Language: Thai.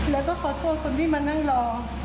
แล้วก็ขอโทษคนที่มานั่งรอ